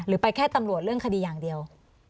ไปแค่ตำรวจเรื่องคดีอย่างเดียว